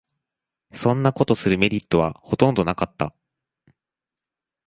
そんなことするメリットはほとんどなかった